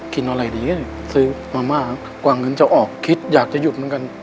กินอะไรดีซื้อมามากกว่าเงินจะออกคิดอยากจะหยุดเหมือนกัน